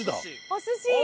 「お寿司」！